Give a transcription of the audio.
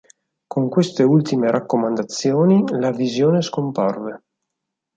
Con queste ultime raccomandazioni la visione scomparve.